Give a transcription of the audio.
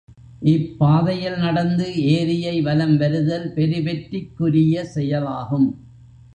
இப்பாதையில் நடந்து ஏரியை வலம் வருதல் பெருவெற்றிக்குரிய செயலாகும்.